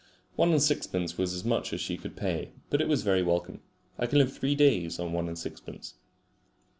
One and sixpence was as much as she could pay, but it was very welcome. I can live three days on one and sixpence.